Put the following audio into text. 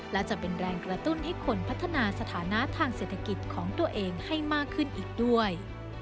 และจะเป็นแรงกระตุ้นให้คนพัฒนาสถานะทางเศรษฐกิจของตัวเองให้มากขึ้นอีกด้วย